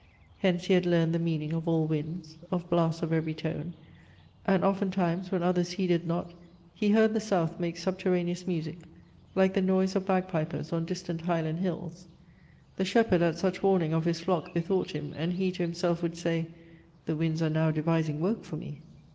Hence he had learned the meaning of all winds, Of blasts of every tone; and oftentimes When others heeded not, He heard the South Make subterraneous music, like the noise Of bagpipers on distant Highland hills. The Shepherd, at such warning, of his flock Bethought him, and he to himself would say, `The winds are now devising work for me!'